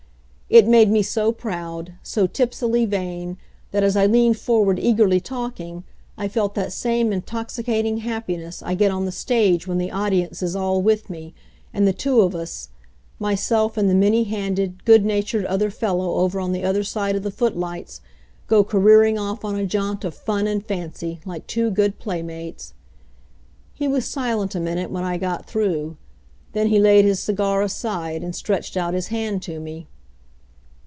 It made me so proud, so tipsily vain, that as I leaned forward eagerly talking, I felt that same intoxicating happiness I get on the stage when the audience is all with me, and the two of us myself and the many handed, good natured other fellow over on the other side of the footlights go careering off on a jaunt of fun and fancy, like two good playmates. He was silent a minute when I got through. Then he laid his cigar aside and stretched out his hand to me.